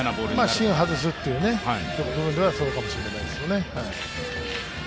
芯を外すっていう部分ではそうかもしれないですよね。